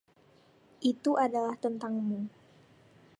Itu adalah tentangmu.